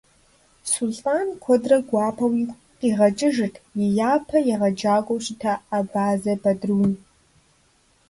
Сулътӏан куэдрэ гуапэу игу къигъэкӏыжырт и япэ егъэджакӏуэу щыта Абазэ Бадрун.